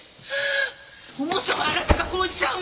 そもそもあなたが孝一さんを！